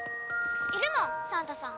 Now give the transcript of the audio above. いるもんサンタさん。